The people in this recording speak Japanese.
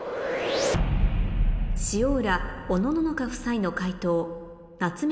塩浦・おのののか夫妻の解答夏目